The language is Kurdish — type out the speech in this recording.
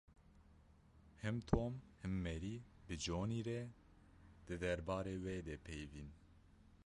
Him Tom him Mary bi Johnî re di derbarê wê de peyivîn.